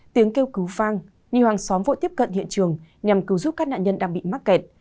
tiếng kêu cứu phang nhiều hàng xóm vội tiếp cận hiện trường nhằm cứu giúp các nạn nhân đang bị mắc kẹt